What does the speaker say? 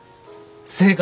正解。